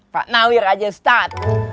pak nawir aja start